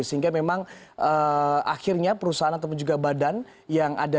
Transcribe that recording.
sehingga memang akhirnya perusahaan ataupun juga badan yang ada